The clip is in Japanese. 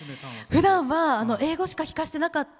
ふだんは、英語しか聴かせてなかって